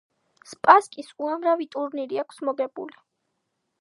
სპასკის უამრავი ტურნირი აქვს მოგებული.